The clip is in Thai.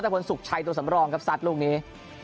นัทธพนธ์สุขชัยตัวสำรองครับสัตว์ลูกนี้